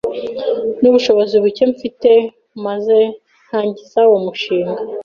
mubushobozi buke mfite maze ntangiza uwo mushinga